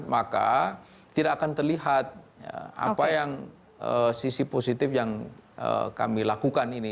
maka tidak akan terlihat apa yang sisi positif yang kami lakukan ini